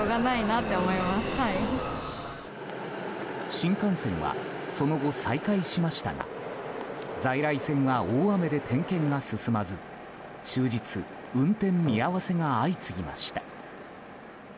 新幹線はその後、再開しましたが在来線は大雨で点検が進まず終日運転見合わせが相次ぎました。